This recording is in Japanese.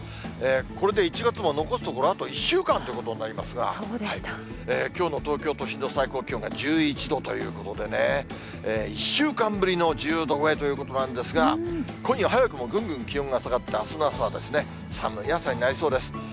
これで１月も残すところ、あと１週間ということになりますが、きょうの東京都心の最高気温が１１度ということでね、１週間ぶりの１０度超えということなんですが、今夜早くもぐんぐん気温が下がって、あすの朝は寒い朝になりそうです。